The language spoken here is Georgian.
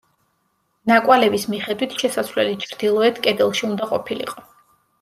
ნაკვალევის მიხედვით შესასვლელი ჩრდილოეთ კედელში უნდა ყოფილიყო.